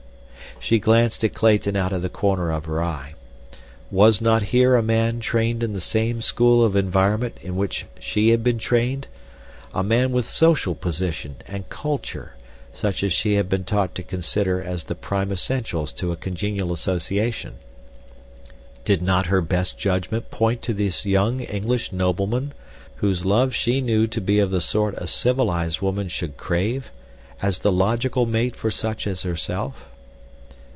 She glanced at Clayton out of the corner of her eye. Was not here a man trained in the same school of environment in which she had been trained—a man with social position and culture such as she had been taught to consider as the prime essentials to congenial association? Did not her best judgment point to this young English nobleman, whose love she knew to be of the sort a civilized woman should crave, as the logical mate for such as herself?